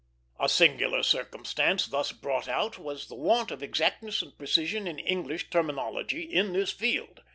A singular circumstance thus brought out was the want of exactness and precision in English terminology in this field.